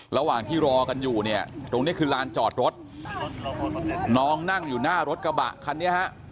ระหว่างที่รอกันอยู่เนี่ยตรงนี้คือลานจอดรถน้องนั่งอยู่หน้ารถกระบะคันนี้ฮะ